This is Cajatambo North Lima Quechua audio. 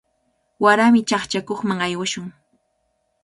Warami chaqchakuqman aywashun.